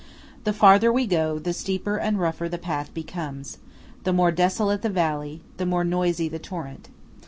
The farther we go, the steeper and rougher the path becomes; the more desolate the valley; the more noisy the torrent.